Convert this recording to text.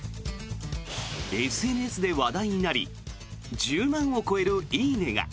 ＳＮＳで話題になり１０万を超える「いいね」が。